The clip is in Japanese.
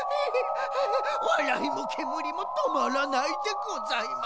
わらいもけむりもとまらないでございます。